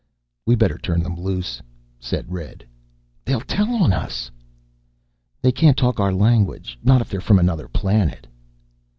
"We better turn them loose," said Red. "They'll tell on us." "They can't talk our language. Not if they're from another planet."